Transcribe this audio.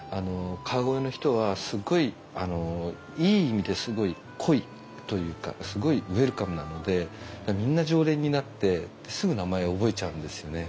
川越の人はすごいいい意味ですごい濃いというかすごいウェルカムなのでみんな常連になってすぐ名前を覚えちゃうんですよね。